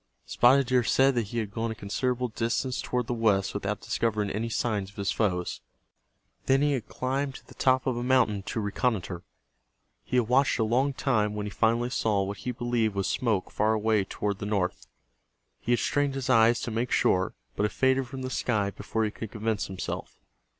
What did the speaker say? Spotted Deer said that he had gone a considerable distance toward the west without discovering any signs of his foes. Then he had climbed to the top of a mountain to reconnoiter. He had watched a long time when he finally saw what he believed was smoke far away toward the north. He had strained his eyes to make sure, but it faded from the sky before he could convince himself.